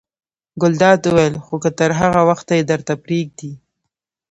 ګلداد وویل: خو که تر هغه وخته یې درته پرېږدي.